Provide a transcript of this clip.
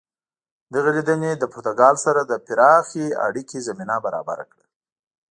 دغې لیدنې له پرتګال سره د پراخې اړیکې زمینه برابره کړه.